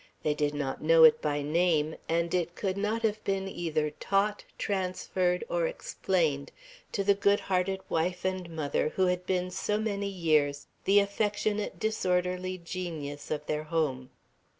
They did not know it by name, and it could not have been either taught, transferred, or explained to the good hearted wife and mother who had been so many years the affectionate disorderly genius of their home.